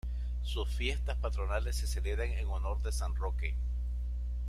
Sus fiestas patronales se celebran en honor de San Roque.